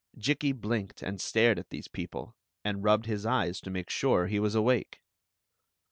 Jikki blinked and stared at these people, and rubbed his eyes to make sure he was awake.